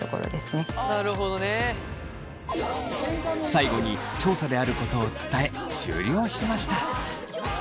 最後に調査であることを伝え終了しました。